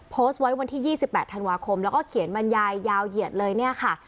โพสต์ไว้วันที่๒๘ธันวาคมแล้วก็เขียนบรรยายยาวเหยียดเลยเนี่ยค่ะ